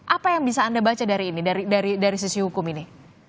apa yang bisa anda baca dari ini dari sisi hukum ini